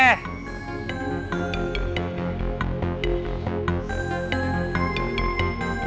semarang semarang semarang